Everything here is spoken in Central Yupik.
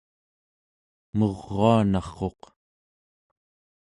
muruanarquq